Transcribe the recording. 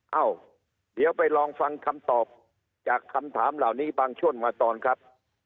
เอ้าเดี๋ยวไปลองฟังคำตอบจากคำถามเหล่านี้บางช่วงมาตอนครับ